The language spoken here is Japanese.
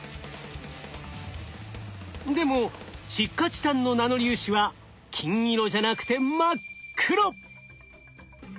でも窒化チタンのナノ粒子は金色じゃなくて真っ黒！